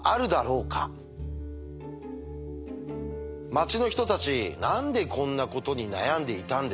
町の人たち何でこんなことに悩んでいたんでしょうか？